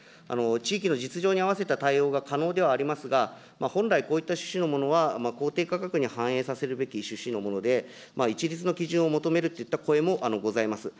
地域の実情に合わせた対応が可能ではありますが、本来、こういった趣旨のものは、公定価格に反映させるべき趣旨のもので、一律の基準を求めるといった声もございます。